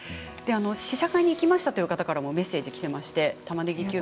試写会に行きましたという方からもメッセージがきています。